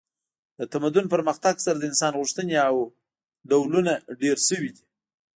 د تمدن پرمختګ سره د انسان غوښتنې او ډولونه ډیر شوي دي